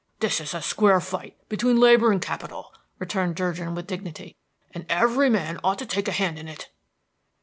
"This is a square fight between labor and capital," returned Durgin with dignity, "and every man ought to take a hand in it."